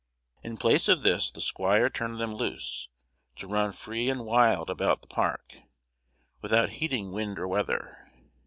In place of this, the squire turned them loose, to run free and wild about the park, without heeding wind or weather.